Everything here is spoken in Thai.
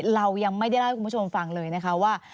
เรายังไม่ได้เล่าให้คุณผู้ชมฟังเลยนะคะว่า